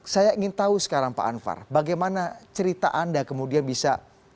saya ingin tahu sekarang pak anwar bagaimana cerita anda kemudian bisa